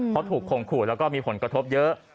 เพราะถูกข่มขู่แล้วก็มีผลกระทบเยอะ